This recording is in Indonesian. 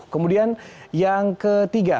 kemudian yang ketiga